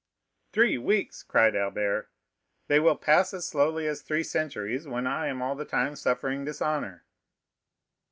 "Three weeks!" cried Albert; "they will pass as slowly as three centuries when I am all the time suffering dishonor."